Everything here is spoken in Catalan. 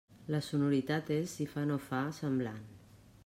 La sonoritat és, si fa no fa, semblant.